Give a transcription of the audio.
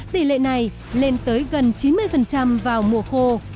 tỷ lệ này lên tới gần chín mươi vào mùa khô